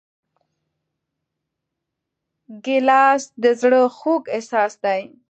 ګیلاس د زړه خوږ احساس دی.